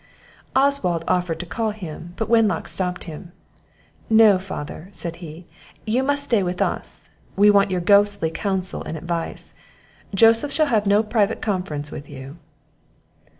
Oswald offered to call him, but Wenlock stopped him. "No, father," said he, "you must stay with us; we want your ghostly counsel and advice; Joseph shall have no private conference with you."